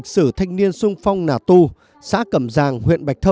vậy anh nghĩ về tình hình